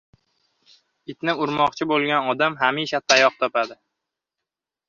Itni urmoqchi boʻlgan odam hamisha tayoq topadi.